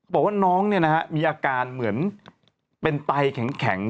บอกว่าน้องมีอาการเหมือนเป็นไตแข็ง